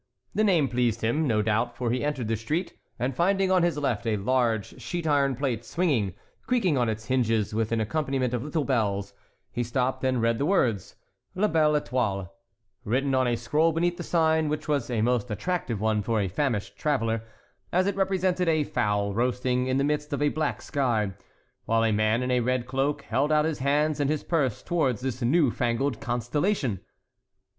The name pleased him, no doubt, for he entered the street, and finding on his left a large sheet iron plate swinging, creaking on its hinges, with an accompaniment of little bells, he stopped and read these words, "La Belle Étoile," written on a scroll beneath the sign, which was a most attractive one for a famished traveller, as it represented a fowl roasting in the midst of a black sky, while a man in a red cloak held out his hands and his purse toward this new fangled constellation.